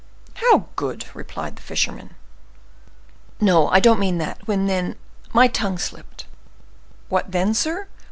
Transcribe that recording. "How good?" replied the fisherman. "No, I don't mean that.—What then—my tongue slipped." "What then, sir?